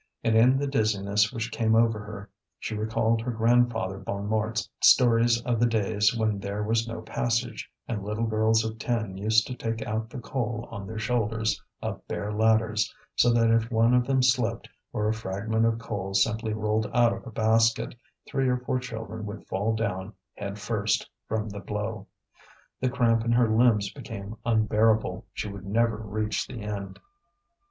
And in the dizziness which came over her, she recalled her grandfather Bonnemort's stories of the days when there was no passage, and little girls of ten used to take out the coal on their shoulders up bare ladders; so that if one of them slipped, or a fragment of coal simply rolled out of a basket, three or four children would fall down head first from the blow. The cramp in her limbs became unbearable, she would never reach the end.